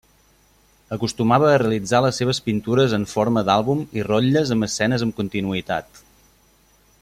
Acostumava a realitzar les seves pintures en forma d'àlbum i rotlles amb escenes amb continuïtat.